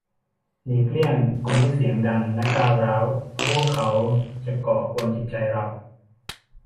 หลีกเลี่ยงคนที่เสียงดังและก้าวร้าว เพราะพวกเขาจะก่อกวนจิตใจเรา